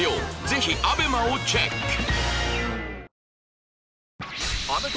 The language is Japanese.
ぜひ ＡＢＥＭＡ をチェック！